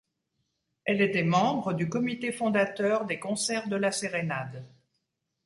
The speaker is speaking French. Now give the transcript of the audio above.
Elle était membre du comité fondateur des concerts de La Sérénade.